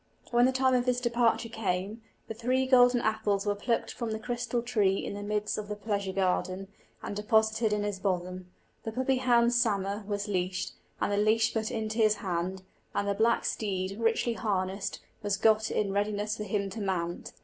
When the time of his departure came, the three golden apples were plucked from the crystal tree in the midst of the pleasure garden, and deposited in his bosom; the puppy hound, Samer, was leashed, and the leash put into his hand; and the black steed, richly harnessed, was got in readiness for him to mount.